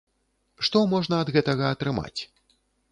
Што можна ад гэтага атрымаць?